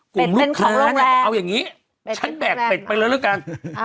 กลุ่มลูกค้าบอกเอาอย่างนี้ฉันแบกเป็ดไปเลยแล้วกัน